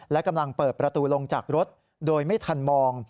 และกำลังเปิดประตูลงจากรถโดยไม่ทันมอง